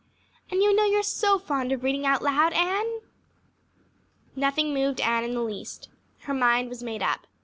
And you know you are so fond of reading out loud, Anne." Nothing moved Anne in the least. Her mind was made up.